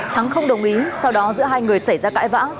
thắng không đồng ý sau đó giữa hai người xảy ra cãi vã